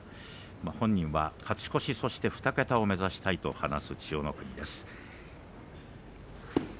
本人は勝ち越しそして２桁を目指したいと言っている千代の国です。